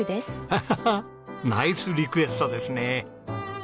ハハハナイスリクエストですね！